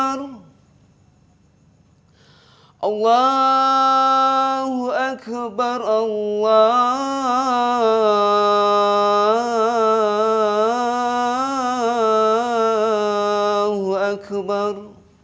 allahu akbar allahu akbar